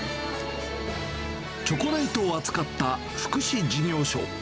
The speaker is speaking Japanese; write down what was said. チョコレートを扱った福祉事業所。